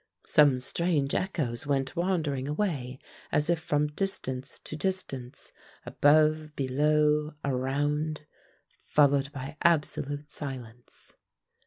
Some strange echoes went wandering away as if from distance to distance, above, below, around, followed by absolute silence.